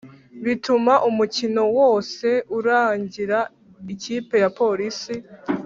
bituma umukino wose urangira ikipe ya polisi